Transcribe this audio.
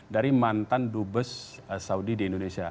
dari mantan dubes saudi di indonesia